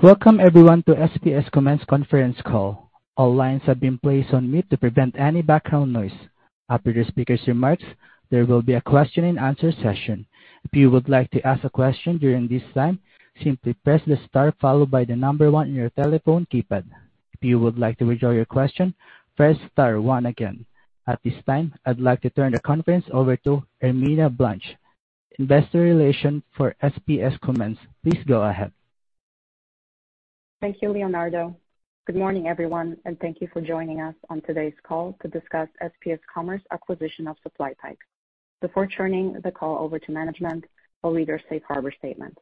Welcome, everyone, to SPS Commerce conference call. All lines have been placed on mute to prevent any background noise. After the speaker's remarks, there will be a question and answer session. If you would like to ask a question during this time, simply press the star followed by the number one on your telephone keypad. If you would like to withdraw your question, press star one again. At this time, I'd like to turn the conference over to Irmina Blaszczyk, Investor Relations for SPS Commerce. Please go ahead. Thank you, Leonardo. Good morning, everyone, and thank you for joining us on today's call to discuss SPS Commerce acquisition of SupplyPike. Before turning the call over to management, I'll read our Safe Harbor statement.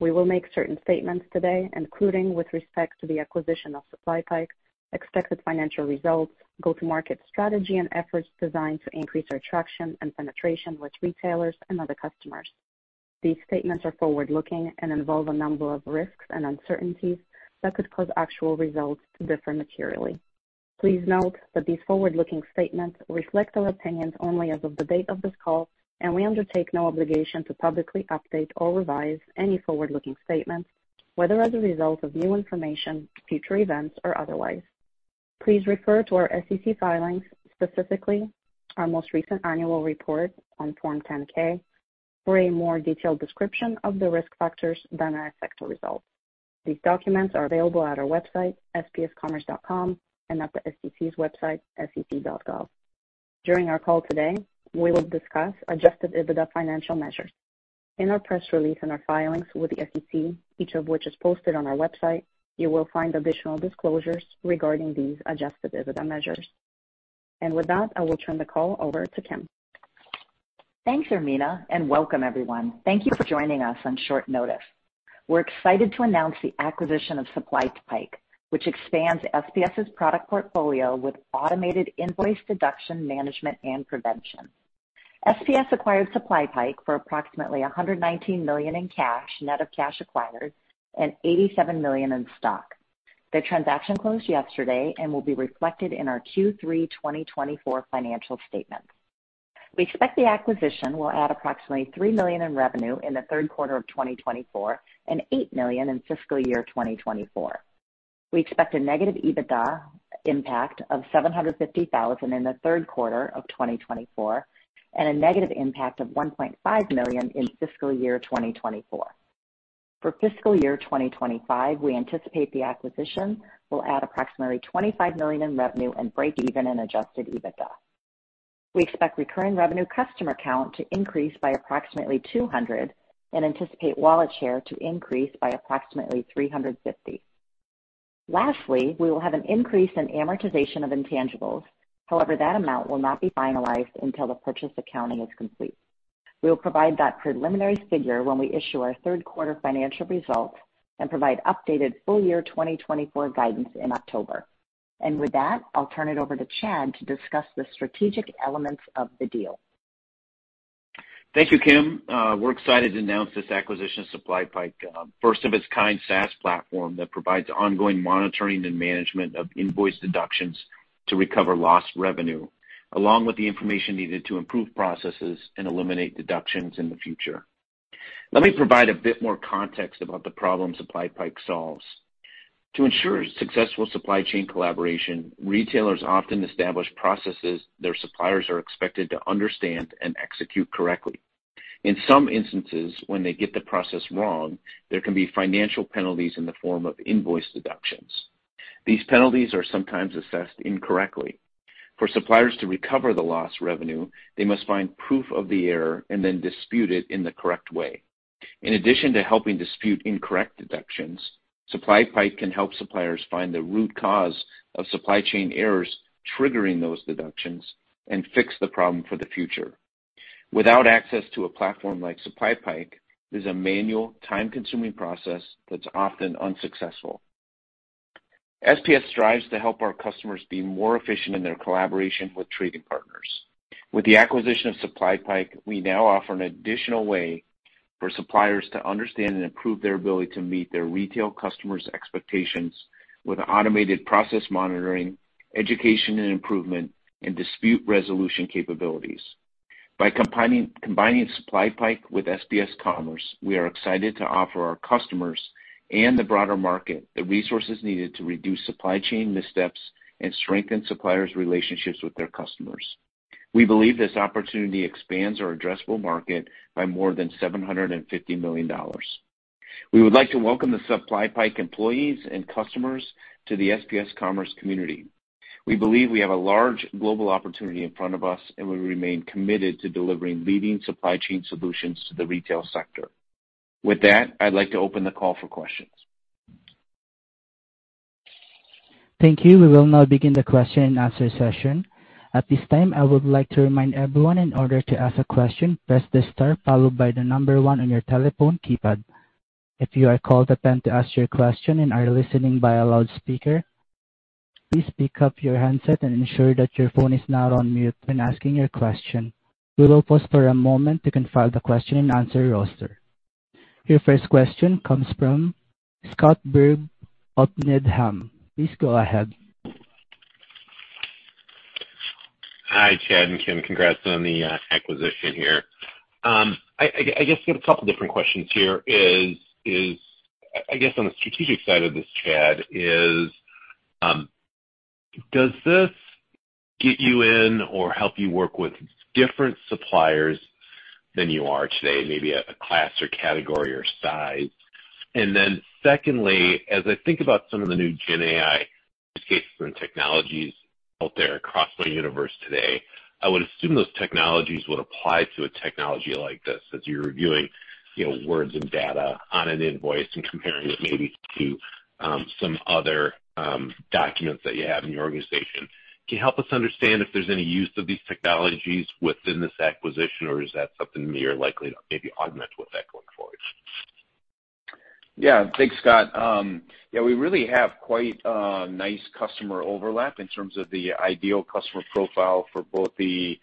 We will make certain statements today, including with respect to the acquisition of SupplyPike, expected financial results, go-to-market strategy, and efforts designed to increase our traction and penetration with retailers and other customers. These statements are forward-looking and involve a number of risks and uncertainties that could cause actual results to differ materially. Please note that these forward-looking statements reflect our opinions only as of the date of this call, and we undertake no obligation to publicly update or revise any forward-looking statements, whether as a result of new information, future events, or otherwise. Please refer to our SEC filings, specifically our most recent annual report on Form 10-K, for a more detailed description of the risk factors that may affect our results. These documents are available at our website, spscommerce.com, and at the SEC's website, sec.gov. During our call today, we will discuss Adjusted EBITDA financial measures. In our press release and our filings with the SEC, each of which is posted on our website, you will find additional disclosures regarding these Adjusted EBITDA measures. With that, I will turn the call over to Kim. Thanks, Irmina, and welcome everyone. Thank you for joining us on short notice. We're excited to announce the acquisition of SupplyPike, which expands SPS's product portfolio with automated invoice deduction management and prevention. SPS acquired SupplyPike for approximately $119 million in cash, net of cash acquired, and $87 million in stock. The transaction closed yesterday and will be reflected in our Q3 2024 financial statements. We expect the acquisition will add approximately $3 million in revenue in the third quarter of 2024 and $8 million in fiscal year 2024. We expect a negative EBITDA impact of $750,000 in the third quarter of 2024, and a negative impact of $1.5 million in fiscal year 2024. For fiscal year 2025, we anticipate the acquisition will add approximately $25 million in revenue and break even in Adjusted EBITDA. We expect recurring revenue customer count to increase by approximately 200 and anticipate wallet share to increase by approximately 350. Lastly, we will have an increase in amortization of intangibles. However, that amount will not be finalized until the purchase accounting is complete. We will provide that preliminary figure when we issue our third quarter financial results and provide updated full year 2024 guidance in October. With that, I'll turn it over to Chad to discuss the strategic elements of the deal. Thank you, Kim. We're excited to announce this acquisition of SupplyPike, first of its kind SaaS platform that provides ongoing monitoring and management of invoice deductions to recover lost revenue, along with the information needed to improve processes and eliminate deductions in the future. Let me provide a bit more context about the problem SupplyPike solves. To ensure successful supply chain collaboration, retailers often establish processes their suppliers are expected to understand and execute correctly. In some instances, when they get the process wrong, there can be financial penalties in the form of invoice deductions. These penalties are sometimes assessed incorrectly. For suppliers to recover the lost revenue, they must find proof of the error and then dispute it in the correct way. In addition to helping dispute incorrect deductions, SupplyPike can help suppliers find the root cause of supply chain errors, triggering those deductions and fix the problem for the future. Without access to a platform like SupplyPike, there's a manual, time-consuming process that's often unsuccessful. SPS strives to help our customers be more efficient in their collaboration with trading partners. With the acquisition of SupplyPike, we now offer an additional way for suppliers to understand and improve their ability to meet their retail customers' expectations with automated process monitoring, education and improvement, and dispute resolution capabilities. By combining SupplyPike with SPS Commerce, we are excited to offer our customers and the broader market the resources needed to reduce supply chain missteps and strengthen suppliers' relationships with their customers. We believe this opportunity expands our addressable market by more than $750 million. We would like to welcome the SupplyPike employees and customers to the SPS Commerce community. We believe we have a large global opportunity in front of us, and we remain committed to delivering leading supply chain solutions to the retail sector. With that, I'd like to open the call for questions. Thank you. We will now begin the question and answer session. At this time, I would like to remind everyone, in order to ask a question, press the star followed by the number one on your telephone keypad. If you are called upon to ask your question and are listening by a loudspeaker, please pick up your handset and ensure that your phone is not on mute when asking your question. We will pause for a moment to confirm the question and answer roster. Your first question comes from Scott Berg of Needham. Please go ahead. Hi, Chad and Kim. Congrats on the acquisition here. I guess I have a couple different questions here. I guess on the strategic side of this, Chad, does this get you in or help you work with different suppliers than you are today, maybe a class or category or size? And then secondly, as I think about some of the new Gen AI use cases and technologies out there across the universe today, I would assume those technologies would apply to a technology like this, as you're reviewing, you know, words and data on an invoice and comparing it maybe to some other documents that you have in your organization. Can you help us understand if there's any use of these technologies within this acquisition, or is that something that you're likely to maybe augment with that going forward? Yeah. Thanks, Scott. Yeah, we really have quite nice customer overlap in terms of the ideal customer profile for both the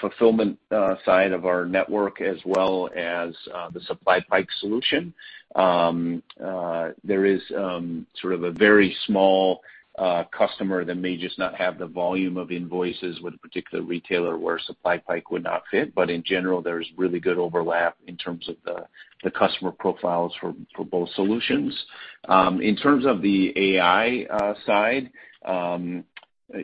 Fulfillment side of our network as well as the SupplyPike solution. There is sort of a very small customer that may just not have the volume of invoices with a particular retailer where SupplyPike would not fit. But in general, there's really good overlap in terms of the customer profiles for both solutions. In terms of the AI side,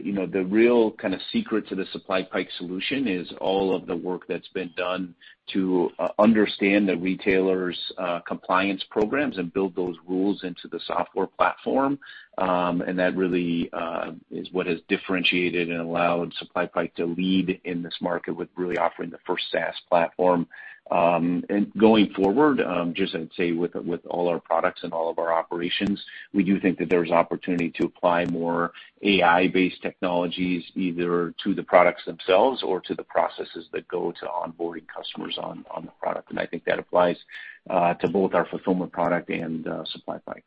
you know, the real kind of secret to the SupplyPike solution is all of the work that's been done to understand the retailers' compliance programs and build those rules into the software platform. And that really is what has differentiated and allowed SupplyPike to lead in this market with really offering the first SaaS platform. And going forward, just I'd say with all our products and all of our operations, we do think that there's opportunity to apply more AI-based technologies, either to the products themselves or to the processes that go to onboarding customers on the product. And I think that applies to both our Fulfillment product and SupplyPike.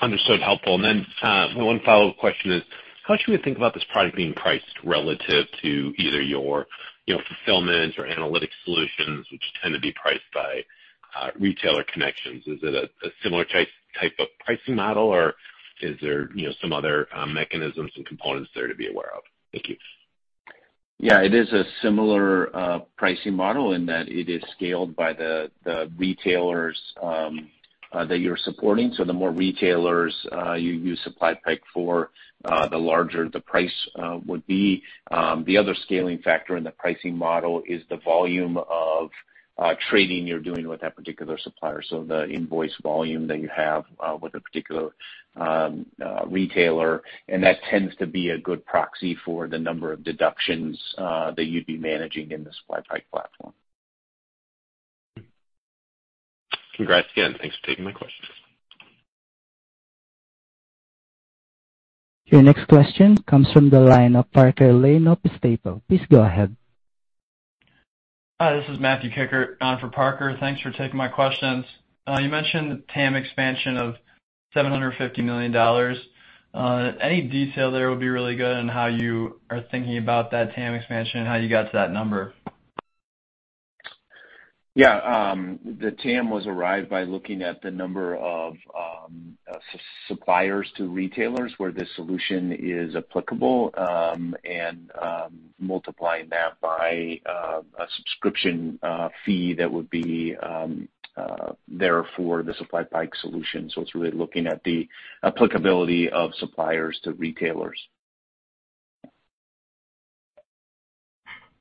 Understood. Helpful. And then, one follow-up question is: how should we think about this product being priced relative to either your, you know, Fulfillment or Analytics solutions, which tend to be priced by retailer connections? Is it a similar type of pricing model, or is there, you know, some other mechanisms and components there to be aware of? Thank you. Yeah, it is a similar pricing model in that it is scaled by the retailers that you're supporting. So the more retailers you use SupplyPike for, the larger the price would be. The other scaling factor in the pricing model is the volume of trading you're doing with that particular supplier, so the invoice volume that you have with a particular retailer, and that tends to be a good proxy for the number of deductions that you'd be managing in the SupplyPike platform. Congrats again. Thanks for taking my questions. Your next question comes from the line of Parker Lane of Stifel. Please go ahead. Hi, this is Matthew Kikkert on for Parker. Thanks for taking my questions. You mentioned TAM expansion of $750 million. Any detail there would be really good on how you are thinking about that TAM expansion and how you got to that number? Yeah, the TAM was arrived by looking at the number of suppliers to retailers where this solution is applicable, and multiplying that by a subscription fee that would be there for the SupplyPike solution. So it's really looking at the applicability of suppliers to retailers.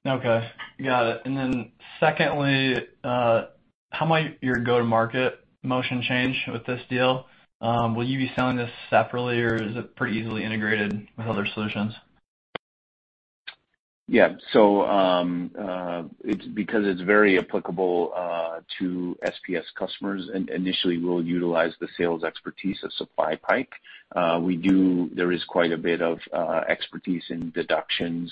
Okay, got it. And then secondly, how might your go-to-market motion change with this deal? Will you be selling this separately, or is it pretty easily integrated with other solutions? Yeah. So, it's because it's very applicable to SPS customers, and initially, we'll utilize the sales expertise of SupplyPike. There is quite a bit of expertise in deductions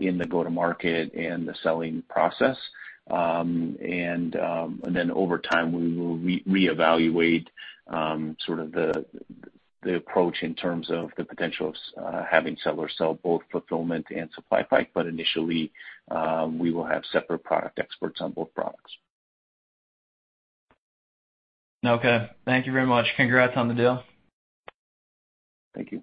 in the go-to-market and the selling process. And then over time, we will reevaluate sort of the approach in terms of the potential of having sellers sell both Fulfillment and SupplyPike, but initially, we will have separate product experts on both products. Okay. Thank you very much. Congrats on the deal. Thank you.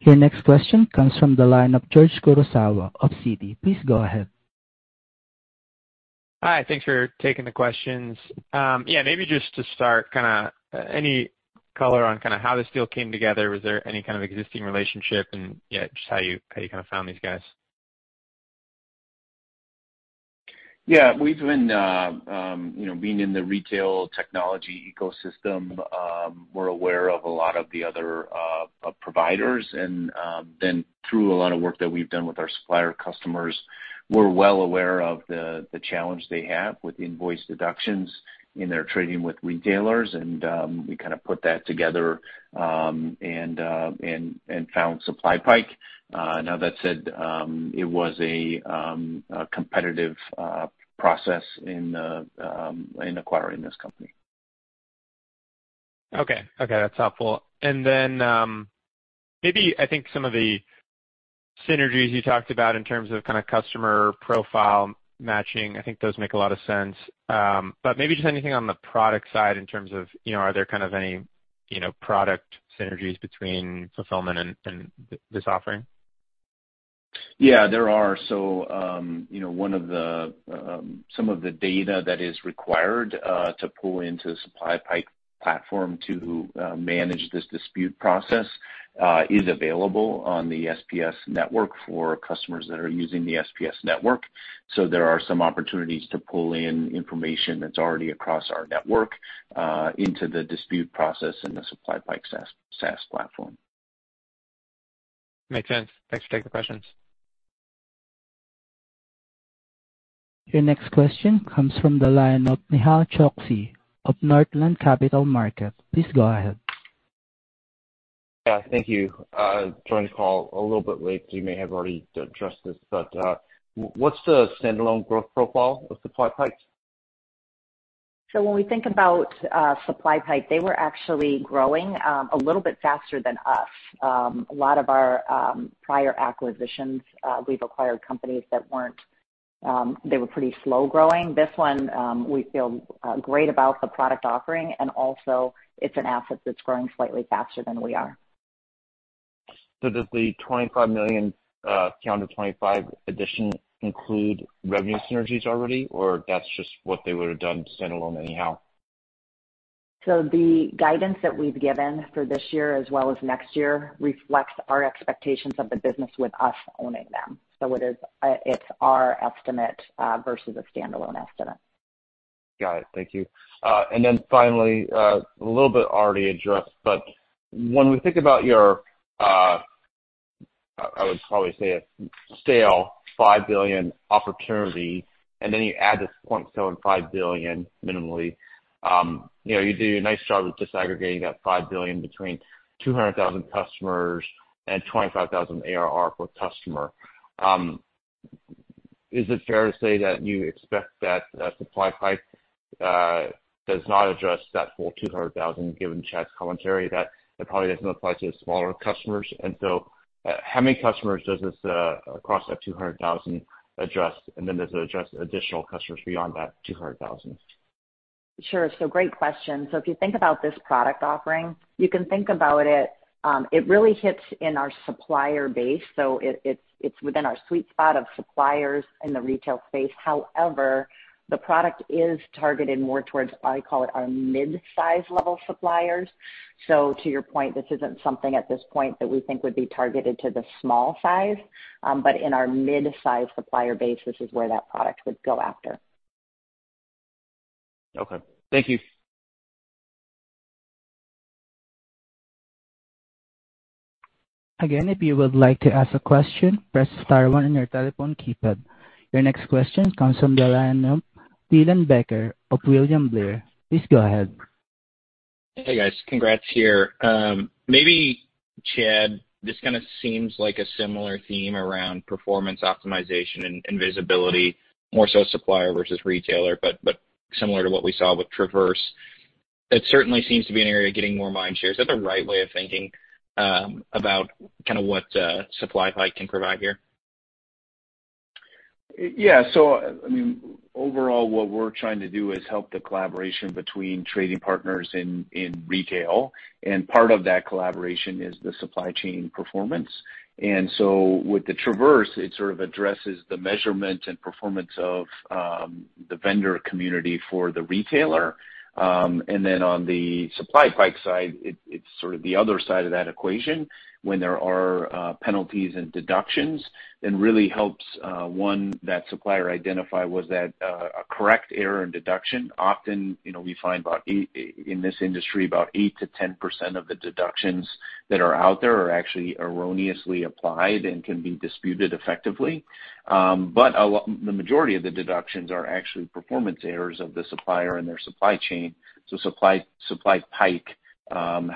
Your next question comes from the line of George Kurosawa of Citi. Please go ahead. Hi, thanks for taking the questions. Yeah, maybe just to start, kinda, any color on kinda how this deal came together? Was there any kind of existing relationship, and, yeah, just how you kinda found these guys? Yeah. We've been, you know, being in the retail technology ecosystem, we're aware of a lot of the other providers. And then through a lot of work that we've done with our supplier customers, we're well aware of the challenge they have with invoice deductions in their trading with retailers, and we kind of put that together and found SupplyPike. Now that said, it was a competitive process in acquiring this company. Okay. Okay, that's helpful. And then, maybe I think some of the synergies you talked about in terms of kind of customer profile matching. I think those make a lot of sense. But maybe just anything on the product side in terms of, you know, are there kind of any, you know, product synergies between Fulfillment and this offering? Yeah, there are. So, you know, some of the data that is required to pull into the SupplyPike platform to manage this dispute process is available on the SPS network for customers that are using the SPS network. So there are some opportunities to pull in information that's already across our network into the dispute process in the SupplyPike SaaS platform. Makes sense. Thanks for taking the questions. Your next question comes from the line of Nehal Chokshi of Northland Capital Markets. Please go ahead. Yeah, thank you. Joined the call a little bit late, so you may have already addressed this, but, what's the standalone growth profile of SupplyPike? So when we think about SupplyPike, they were actually growing a little bit faster than us. A lot of our prior acquisitions, we've acquired companies that weren't. They were pretty slow growing. This one, we feel great about the product offering, and also it's an asset that's growing slightly faster than we are. Does the $25 million calendar 2025 addition include revenue synergies already, or that's just what they would have done standalone anyhow? The guidance that we've given for this year as well as next year reflects our expectations of the business with us owning them. It is, it's our estimate versus a standalone estimate. Got it. Thank you. And then finally, a little bit already addressed, but when we think about your, I would probably say a SaaS $5 billion opportunity, and then you add this $0.75 billion minimally, you know, you do a nice job of disaggregating that $5 billion between 200,000 customers and $25,000 ARR per customer. Is it fair to say that you expect that, SupplyPike, does not address that full 200,000, given Chad's commentary, that it probably doesn't apply to the smaller customers, and so, how many of that 200,000 does it address, and then does it address additional customers beyond that 200,000? Sure. So great question. So if you think about this product offering, you can think about it, it really hits in our supplier base, so it's within our sweet spot of suppliers in the retail space. However, the product is targeted more towards, I call it, our mid-size level suppliers. So to your point, this isn't something at this point that we think would be targeted to the small size, but in our mid-size supplier base, this is where that product would go after. Okay. Thank you. Again, if you would like to ask a question, press star one on your telephone keypad. Your next question comes from the line of Dylan Becker of William Blair. Please go ahead. Hey, guys. Congrats here. Maybe Chad, this kind of seems like a similar theme around performance optimization and visibility, more so supplier versus retailer, but similar to what we saw with Traverse. It certainly seems to be an area of getting more mind share. Is that the right way of thinking about kind of what SupplyPike can provide here? Yeah. So, I mean, overall what we're trying to do is help the collaboration between trading partners in retail, and part of that collaboration is the supply chain performance. And so with the Traverse, it sort of addresses the measurement and performance of the vendor community for the retailer. And then on the SupplyPike side, it, it's sort of the other side of that equation when there are penalties and deductions. It really helps one, that supplier identify was that a correct error in deduction. Often, you know, we find about in this industry, about 8%-10% of the deductions that are out there are actually erroneously applied and can be disputed effectively. But the majority of the deductions are actually performance errors of the supplier and their supply chain. So Supply, SupplyPike,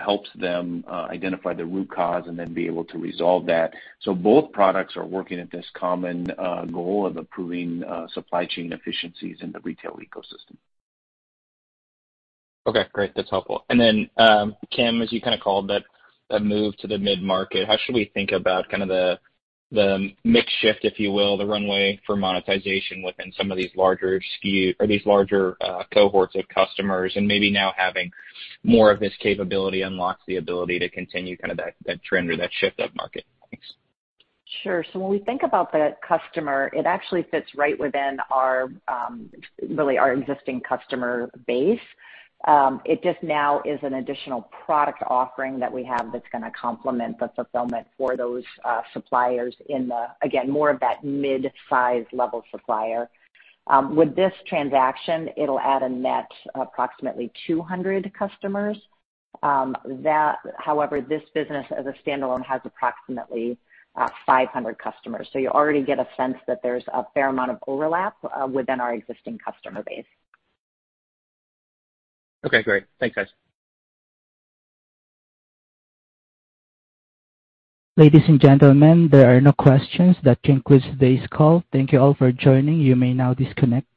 helps them identify the root cause and then be able to resolve that. So both products are working at this common goal of improving supply chain efficiencies in the retail ecosystem. Okay, great. That's helpful. And then, Kim, as you kind of called that a move to the mid-market, how should we think about kind of the, the mix shift, if you will, the runway for monetization within some of these larger SKU or these larger, cohorts of customers, and maybe now having more of this capability unlocks the ability to continue kind of that, that trend or that shift upmarket? Thanks. Sure. So when we think about the customer, it actually fits right within our, really our existing customer base. It just now is an additional product offering that we have that's gonna complement the Fulfillment for those, suppliers in the, again, more of that mid-size level supplier. With this transaction, it'll add a net approximately 200 customers. However, this business as a standalone has approximately, 500 customers. So you already get a sense that there's a fair amount of overlap, within our existing customer base. Okay, great. Thanks, guys. Ladies and gentlemen, there are no questions. That concludes today's call. Thank you all for joining. You may now disconnect.